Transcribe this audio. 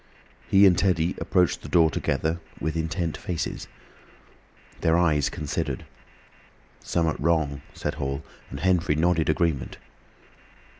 He and Teddy approached the door together, with intent faces. Their eyes considered. "Summat wrong," said Hall, and Henfrey nodded agreement.